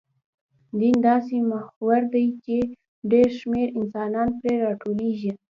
دین داسې محور دی، چې ډېر شمېر انسانان پرې راټولېږي.